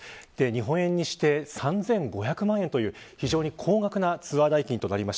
日本円にして３５００万円という非常に高額なツアー代金です。